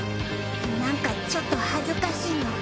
なんかちょっと恥ずかしいの。